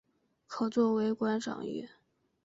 可做为观赏鱼。